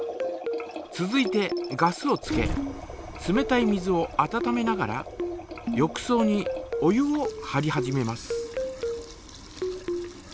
続いてガスをつけ冷たい水を温めながら浴そうにお湯をはり始めます。